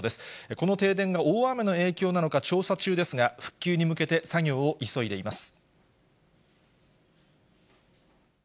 この停電が大雨の影響なのか調査中ですが、復旧に向けて作業を急いでいます。